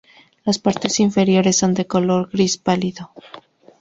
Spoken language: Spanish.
Las partes inferiores son de color gris pálido.